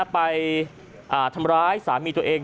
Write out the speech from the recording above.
ไปทำร้ายสามีตัวเอง